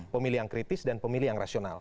pemilih yang kritis dan pemilih yang rasional